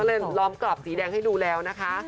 ก็เลยล้อมกรอบสีแดงให้ดูแล้วนะคะ